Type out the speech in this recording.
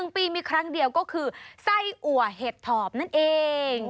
๑ปีมีครั้งเดียวก็คือไส้อัวเห็ดถอบนั่นเอง